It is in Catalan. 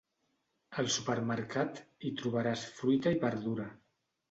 Al supermercat hi trobaràs fruita i verdura.